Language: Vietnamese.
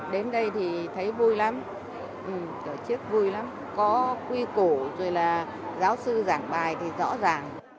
đến đây thì thấy vui lắm có quy cổ rồi là giáo sư giảng bài thì rõ ràng